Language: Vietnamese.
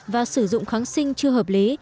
và sử dụng kháng sinh chưa hợp lý